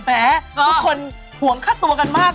ทุกคนห่วงค่าตัวกันมาก